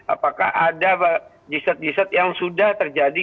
apakah ada g cert g cert yang sudah terjadi